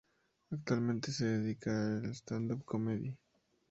Actualmente se dedica al stand-up comedy.